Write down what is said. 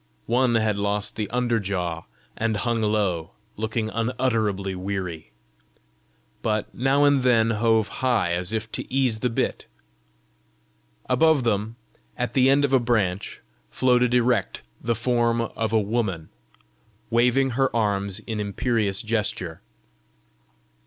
One had lost the under jaw and hung low, looking unutterably weary but now and then hove high as if to ease the bit. Above them, at the end of a branch, floated erect the form of a woman, waving her arms in imperious gesture.